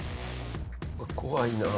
怖いなあ。